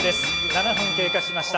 ７分経過しました。